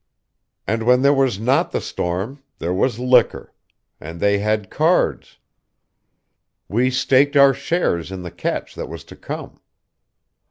"And when there was not the storm, there was liquor; and they had cards. We staked our shares in the catch that was to come....